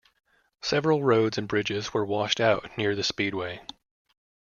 Several roads and bridges were washed out near the speedway.